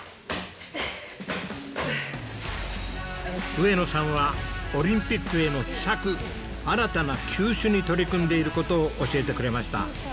上野さんはオリンピックへの秘策新たな球種に取り組んでいる事を教えてくれました。